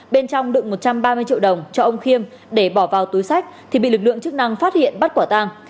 bên trong đựng một trăm ba mươi triệu đồng cho ông khiêm để bỏ vào túi sách thì bị lực lượng chức năng phát hiện bắt quả tang